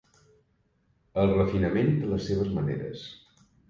El refinament de les seves maneres.